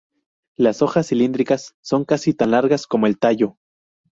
Las hojas cilíndricas son casi tan largas como el tallo.